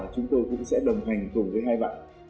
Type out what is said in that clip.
chúng tôi cũng sẽ đồng hành cùng với hai bạn